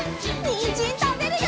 にんじんたべるよ！